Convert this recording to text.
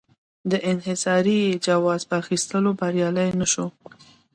د انحصاري جواز په اخیستو بریالی نه شو.